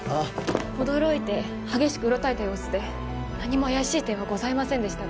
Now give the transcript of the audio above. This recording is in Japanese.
驚いて激しくうろたえた様子で何も怪しい点はございませんでしたが。